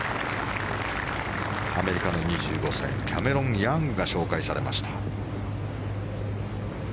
アメリカの２５歳キャメロン・ヤングが紹介されました。